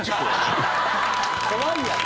怖いやろ。